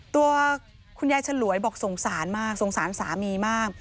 ตัวคุณยายฉลวยบอกสงสารมากสงสารสามีมาก